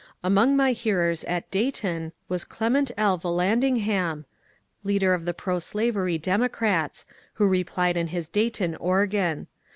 Among my hearers at Dayton was Clement L. Yallandig ham, leader of the proslavery Democrats, who replied in his Dayton organ.